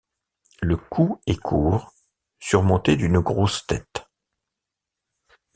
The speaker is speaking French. Le cou est court, surmonté d'une grosse tête.